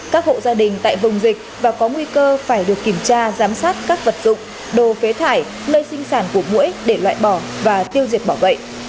các hộ gia đình tại vùng dịch và có nguy cơ phải được kiểm tra giám sát các vật dụng đồ phế thải nơi sinh sản của mũi để loại bỏ và tiêu diệt bảo vệ